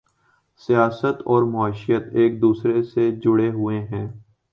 سیاست اور معیشت ایک دوسرے سے جڑے ہوئے ہیں۔